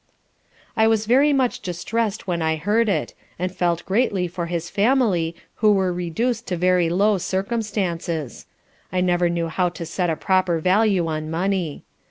I was very much distress'd when I heard it, and felt greatly for his family who were reduc'd to very low circumstances. I never knew how to set a proper value on money.